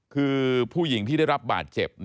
คือผู้หญิงที่ได้รับบาดเจ็บ